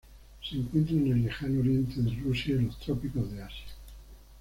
Se encuentra en el lejano oriente de Rusia y los trópicos de Asia.